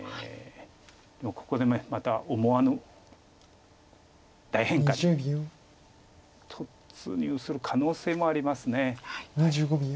ここでまた思わぬ大変化に突入する可能性もあります。